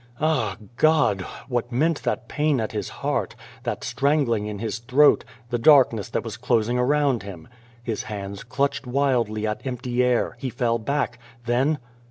Ah, God ! what meant that pain at his heart, that strangling in his throat, the dark The Face Beyond the Door ness that was closing around him ? His hands clutched wildly at empty air, he fell back then